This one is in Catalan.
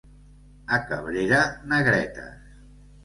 A Cabrera, negretes.